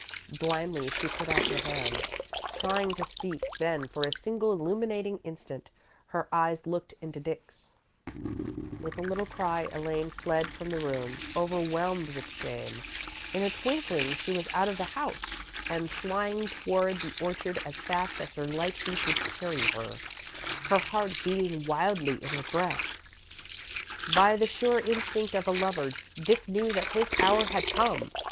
Blindly, she put out her hand, trying to speak; then, for a single illuminating instant, her eyes looked into Dick's. With a little cry, Elaine fled from the room, overwhelmed with shame. In a twinkling, she was out of the house, and flying toward the orchard as fast as her light feet would carry her, her heart beating wildly in her breast. By the sure instinct of a lover, Dick knew that his hour had come.